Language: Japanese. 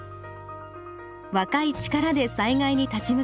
若い力で災害に立ち向かいたい。